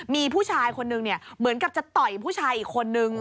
มีผู้ชายคนนึงเนี่ยเหมือนกับจะต่อยผู้ชายอีกคนนึง